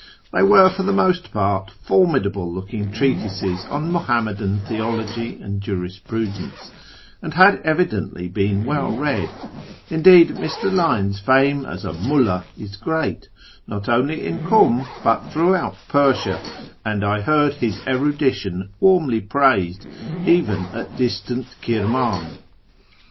They were for the most part formidable looking treatises on Muhammadan theology and jurisprudence, and had evidently been well read ; indeed, Mr. Lyne's fame as a " mvllct " is great, not only in Kum, but throughout Persia, and I heard his erudition warmly praised even at distant Kirman.